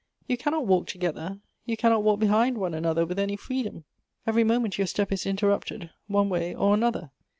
You cannot walk together — you cannot walk behind one another with any freedom. Every moment your step is interrupted one way or another.